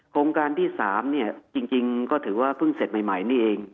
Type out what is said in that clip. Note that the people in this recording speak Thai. โครงการที่๓จริงก็ถือว่าเพิ่งเสร็จใหม่นี่เอง